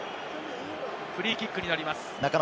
フリーキックになります。